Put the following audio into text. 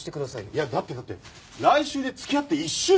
いやだってだって来週で付き合って１周年だろ？